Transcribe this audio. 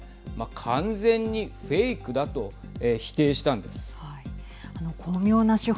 完全にフェイクだと否定したんです。